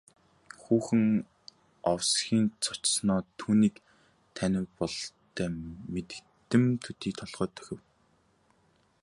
Хүүхэн овсхийн цочсоноо түүнийг танив бололтой мэдэгдэм төдий толгой дохив.